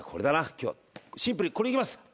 今日はシンプルにこれいきます。